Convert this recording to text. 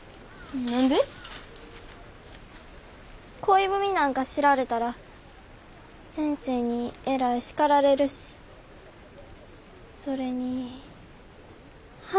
恋文なんか知られたら先生にえらい叱られるしそれにはしたない思われるわ。